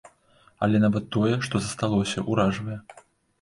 Але нават тое, што засталося, уражвае.